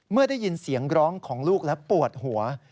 เมื่อได้ยินเสียงร้องของลูกและปวดหัว